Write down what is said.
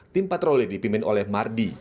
tim patroli dipimpin oleh mardi